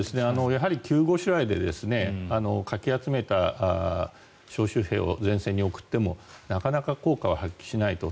やはり急ごしらえでかき集めた招集兵を前線に送ってもなかなか効果は発揮しないと。